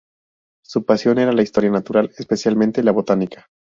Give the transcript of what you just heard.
Su pasión era la historia natural, especialmente la botánica.